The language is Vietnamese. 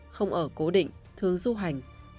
một mươi một không ở cố định thương du hành